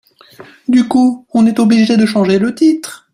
Du coup, on est obligé de changer le titre.